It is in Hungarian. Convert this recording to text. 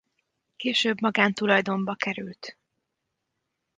Később magántulajdonba került.